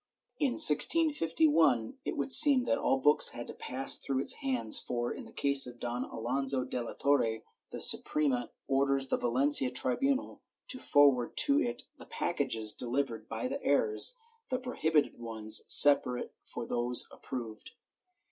In 1651, it would seem that all books had to pass through its hands for, in the case of Don Alonso de la Torre, the Suprema orders the Valencia tribunal to forward to it the packages delivered by the heirs, the prohibited ones separate from those approved.'